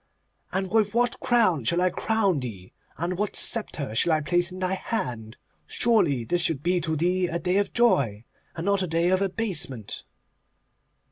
And with what crown shall I crown thee, and what sceptre shall I place in thy hand? Surely this should be to thee a day of joy, and not a day of abasement.